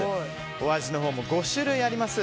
お味のほうも５種類あります。